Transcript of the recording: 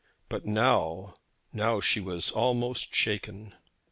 But now now she was almost shaken!